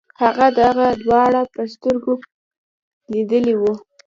هغه دغه دواړه په سترګو لیدلي وو.